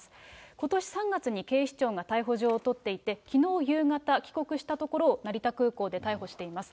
ことし３月に警視庁が逮捕状を取っていて、きのう夕方、帰国したところを成田空港で逮捕しています。